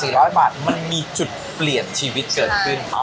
ร้อยบาทมันมีจุดเปลี่ยนชีวิตเกิดขึ้น